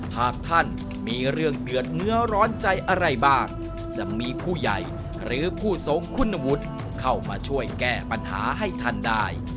หากท่านมีเรื่องเดือดเนื้อร้อนใจอะไรบ้างจะมีผู้ใหญ่หรือผู้ทรงคุณวุฒิเข้ามาช่วยแก้ปัญหาให้ท่านได้